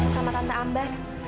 sama tante amber